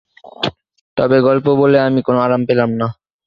তবে গল্প বলে আমি কোনো আরাম পেলাম না।